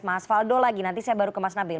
mas faldo lagi nanti saya baru ke mas nabil